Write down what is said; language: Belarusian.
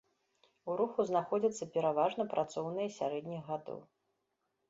У руху знаходзяцца пераважна працоўныя сярэдніх гадоў.